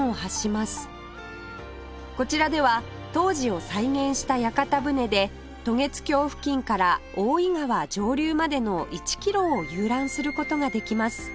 こちらでは当時を再現した屋形船で渡月橋付近から大堰川上流までの１キロを遊覧する事ができます